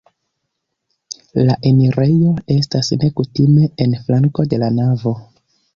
La enirejo estas nekutime en flanko de la navo.